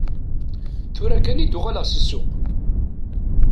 Tura kan i d-uɣaleɣ si ssuq.